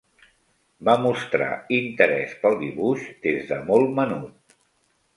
Va mostrar interès pel dibuix des de molt menut.